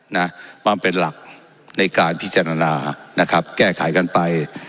นะความเป็นหลักในการพิจารณานะครับแก้ไขกันไป